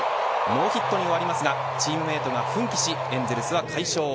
ノーヒットに終わりますがチームメートが奮起しエンゼルスは快勝。